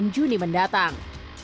delapan belas juni mendatang